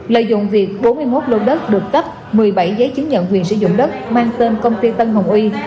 lợi dụng việc bốn mươi một lô đất được cấp một mươi bảy giấy chứng nhận quyền sử dụng đất mang tên công ty tân hồng uy